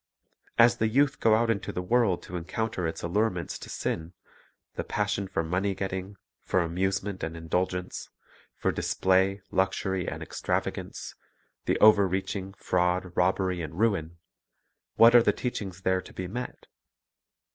As the youth go out into the world, to encounter its allurements to sin, — the passion for money getting, for amusement and indulgence, for display, luxury, and extravagance, the overreaching, fraud, robbery, and ruin, — what are the teachings there to be met?